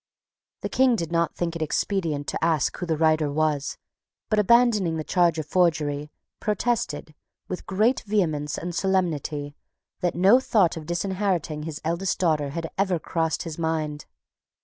The King did not think it expedient to ask who the writer was, but, abandoning the charge of forgery, protested, with great vehemence and solemnity, that no thought of disinheriting his eldest daughter had ever crossed his mind.